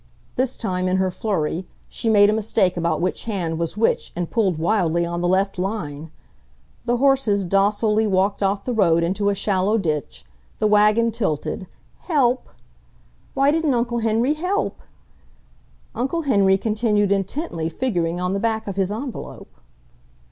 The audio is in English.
This time, in her flurry, she made a mistake about which hand was which and pulled wildly on the left line! The horses docilely walked off the road into a shallow ditch, the wagon tilted ... help! Why didn't Uncle Henry help! Uncle Henry continued intently figuring on the back of his envelope.